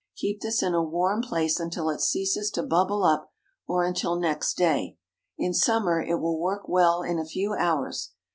Keep this in a warm place until it ceases to bubble up, or until next day. In summer it will work well in a few hours.